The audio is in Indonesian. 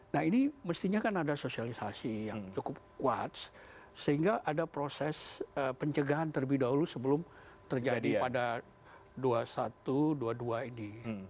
nah ini mestinya kan ada sosialisasi yang cukup kuat sehingga ada proses pencegahan terlebih dahulu sebelum terjadi pada dua puluh satu dua puluh dua ini